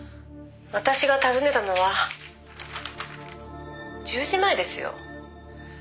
「私が訪ねたのは１０時前ですよ」